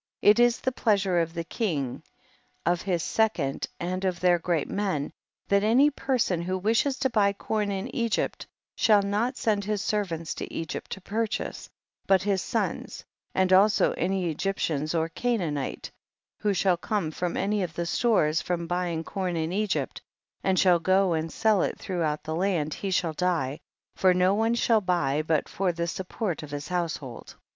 It is the pleasure of the king, of his second and of their great men, that any person who wishes to buy corn in Egypt shall not send his ser vants to Egypt to purchase, but his sons, and also any Egyptian or Ca naanite, who shall come from any of the stores from buying corn in Egypt, and shall go and sell it throughout the land, he shall die, for no one shall buy but /or the support of his house hold.